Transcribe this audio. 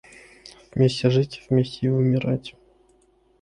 Вместе жить, вместе и умирать.